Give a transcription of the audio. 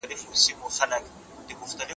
احتیاط د عقل غوښتنه ده.